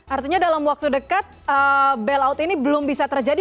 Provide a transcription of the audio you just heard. artinya dalam waktu dekat bailout ini belum bisa terjadi